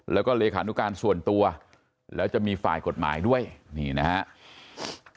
แล้วก็เลขานุการส่วนตัวแล้วจะมีฝ่ายกฎหมายด้วยนี่นะครับ